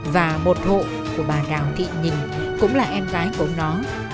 và một hộ của bà đào thị nhìn cũng là em gái của ông nó